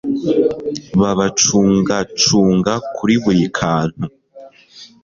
babacungacunga kuri buri kantu,